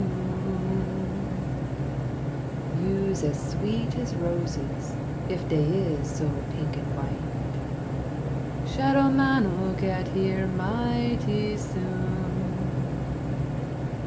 You's as sweet as roses if dey is so pink an white; (Shadow man '11 get here mighty soon.)